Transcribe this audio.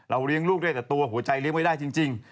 เลี้ยงลูกได้แต่ตัวหัวใจเลี้ยงไม่ได้จริง